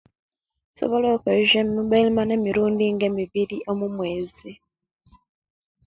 Nsobola okukoyesiya emobil mane emirundi nga eibiri omumwezi